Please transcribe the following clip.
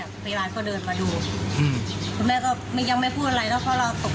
หนูแวนก็เลยบอกว่าแล้วหนูจะเป็นอะไรมากมั้ย